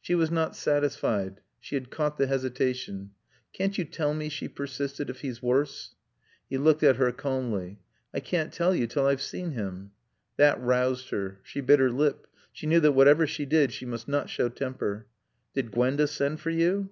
She was not satisfied. She had caught the hesitation. "Can't you tell me," she persisted, "if he's worse?" He looked at her calmly. "I can't tell you till I've seen him." That roused her. She bit her lip. She knew that whatever she did she must not show temper. "Did Gwenda send for you?"